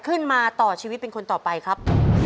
ขึ้นมาต่อชีวิตเป็นคนต่อไปครับ